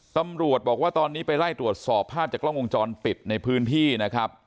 ตำรวจบอกว่าตอนนี้ไปไล่ตรวจสอบภาพจากกล้องวงจรปิดในพื้นที่นะครับ